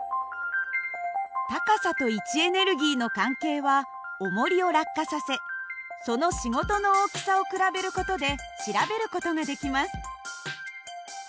高さと位置エネルギーの関係はおもりを落下させその仕事の大きさを比べる事で調べる事ができます。